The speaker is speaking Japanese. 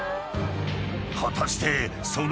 ［果たして］